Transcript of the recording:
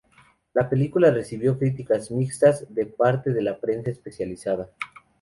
La película recibió críticas mixtas de parte de la prensa especializada.